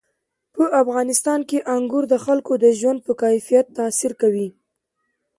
په افغانستان کې انګور د خلکو د ژوند په کیفیت تاثیر کوي.